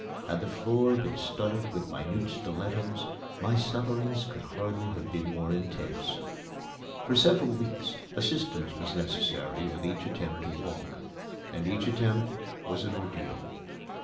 Had the floor been studded with minute stilettos my sufferings could hardly have been more intense. For several weeks assistance was necessary with each attempt to walk, and each attempt was an ordeal.